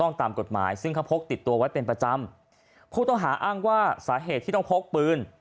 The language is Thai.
ต้องตามกฎหมายซึ่งเขาพกติดตัวไว้เป็นประจำผู้ต้องหาอ้างว่าสาเหตุที่ต้องพกปืน